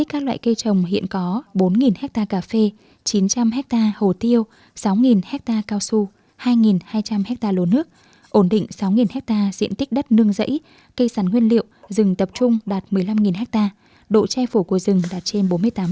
cây trồng hiện có bốn ha cà phê chín trăm linh ha hồ tiêu sáu ha cao su hai hai trăm linh ha lồ nước ổn định sáu ha diện tích đất nương dãy cây sắn nguyên liệu rừng tập trung đạt một mươi năm ha độ che phổ của rừng đạt trên bốn mươi tám